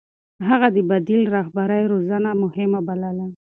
هغه د بديل رهبرۍ روزنه مهمه بلله.